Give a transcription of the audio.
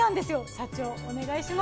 社長お願いします。